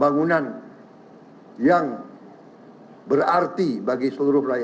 bisa aucun dinilai pengper ordinary dibim manually dan nilai sen veterania skander